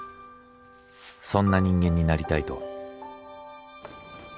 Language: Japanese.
そんな人間になりたいと。